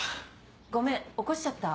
ごめん起こしちゃった？